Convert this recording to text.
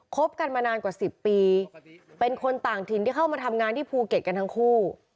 บกันมานานกว่า๑๐ปีเป็นคนต่างถิ่นที่เข้ามาทำงานที่ภูเก็ตกันทั้งคู่